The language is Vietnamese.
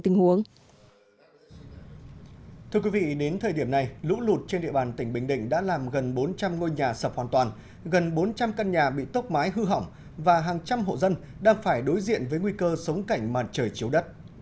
thưa quý vị đến thời điểm này lũ lụt trên địa bàn tỉnh bình định đã làm gần bốn trăm linh ngôi nhà sập hoàn toàn gần bốn trăm linh căn nhà bị tốc mái hư hỏng và hàng trăm hộ dân đang phải đối diện với nguy cơ sống cảnh màn trời chiếu đất